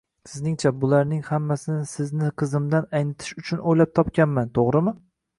Sizningcha, bularning hammasini sizni qizimdan aynitish uchun o`ylab topganman, to`g`rimi